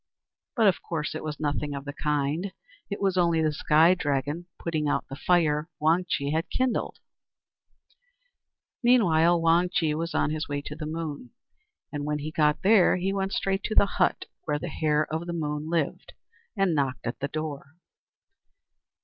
But of course it was nothing of the kind; it was only the Sky Dragon putting out the fire Wang Chih had kindled. Wang Chih visits the White Hare of the Moon Meanwhile, Wang Chih was on his way to the Moon, and when he got there he went straight to the hut where the Hare of the Moon lived, and knocked at the door.